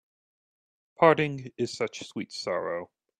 Parting is such sweet sorrow